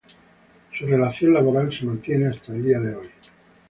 Su relación laboral se mantiene hasta el día de hoy.